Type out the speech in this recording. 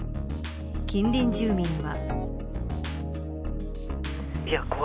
近隣住民は。